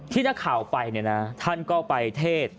นักข่าวไปเนี่ยนะท่านก็ไปเทศ